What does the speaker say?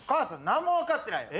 何も分かってないよ。